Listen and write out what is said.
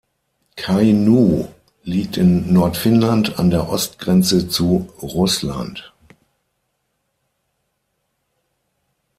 Kainuu liegt in Nordfinnland an der Ostgrenze zu Russland.